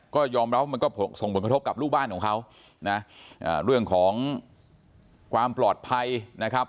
ก็ยอมรับว่ามันก็ส่งผลกระทบกับลูกบ้านของเขานะเรื่องของความปลอดภัยนะครับ